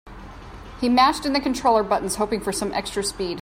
He mashed in the controller buttons, hoping for some extra speed.